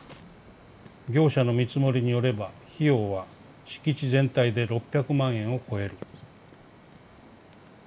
業者の見積もりによれば費用は敷地全体で６００万円を超える」。